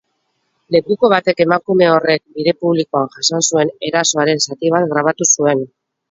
Lekuko batek emakume horrek bide publikoan jasan zuen erasoaren zati bat grabatu zuen.